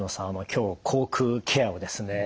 今日口腔ケアをですね